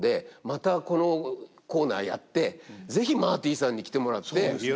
またこのコーナーやって是非マーティさんに来てもらって。